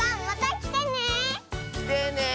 きてね！